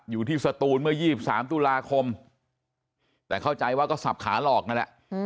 สตูนเมื่อ๒๓ตุลาคมแต่เข้าใจว่าก็สับขาหลอกนั่นแหละ